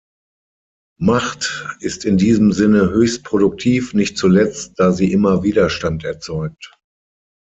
Macht ist in diesem Sinne höchst produktiv, nicht zuletzt, da sie immer Widerstand erzeugt.